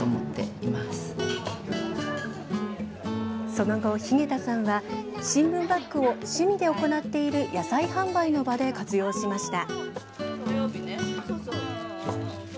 その後、日下田さんは新聞バッグを趣味で行っている野菜販売の場で活用しました。